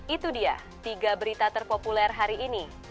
itu dia tiga berita terpopuler hari ini